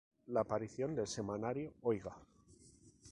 La aparición del semanario "Oiga!